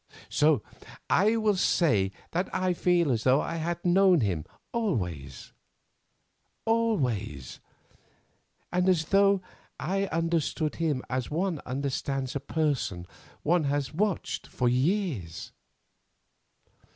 So I will say that I feel as though I had known him always; always—and as though I understood him as one understands a person one has watched for years.